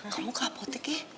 kamu ke apotek ya